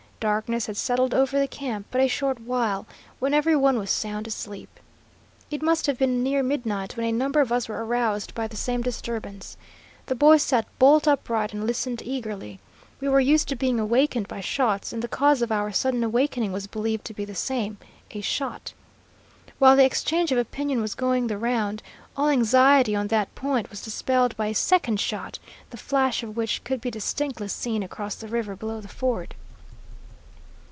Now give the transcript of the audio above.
Darkness had settled over the camp but a short while, when every one was sound asleep. It must have been near midnight when a number of us were aroused by the same disturbance. The boys sat bolt upright and listened eagerly. We were used to being awakened by shots, and the cause of our sudden awakening was believed to be the same, a shot. While the exchange of opinion was going the round, all anxiety on that point was dispelled by a second shot, the flash of which could be distinctly seen across the river below the ford.